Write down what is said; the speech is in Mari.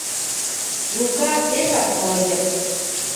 — Лука пешак молодец!